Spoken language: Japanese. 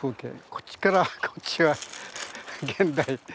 こっちからこっちは現代。